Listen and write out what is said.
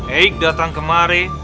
eik datang kemari